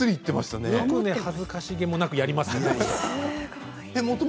よく恥ずかしげもなくやりましたね。